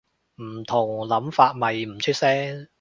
唔同諗法咪唔出聲